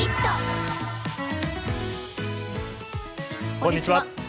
こんにちは。